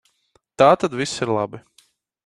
Tātad viss ir labi.